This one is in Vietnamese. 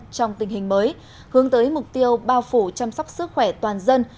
trong tình hình mới hướng tới mục tiêu bao phủ chăm sóc sức khỏe toàn dân